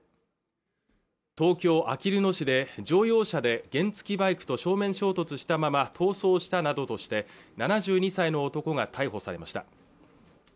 東京・あきる野市で乗用車で原付バイクと正面衝突したまま逃走したなどとして７２歳の男が逮捕されました